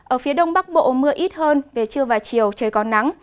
ở phía đông bắc bộ mưa ít hơn về trưa và chiều trời có nắng